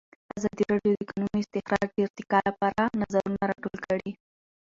ازادي راډیو د د کانونو استخراج د ارتقا لپاره نظرونه راټول کړي.